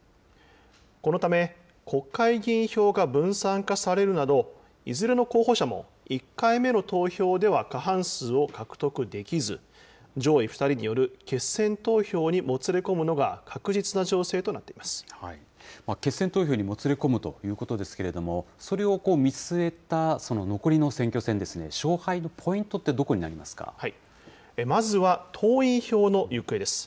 このため国会議員票が分散化されるなど、いずれの候補者も１回目の投票では過半数を獲得できず、上位２人による決選投票にもつれ込むのが確実な情勢となっていま決選投票にもつれ込むということですけれども、それを見据えた残りの選挙戦、勝敗のポイントまずは党員票の行方です。